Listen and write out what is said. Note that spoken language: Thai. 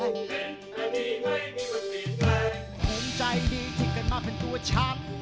หัวใจดีที่กันมาเป็นตัวชั้น